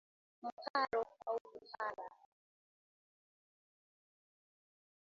Mharo au kuhara